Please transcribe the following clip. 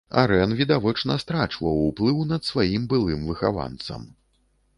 Арэн відавочна страчваў уплыў над сваім былым выхаванцам.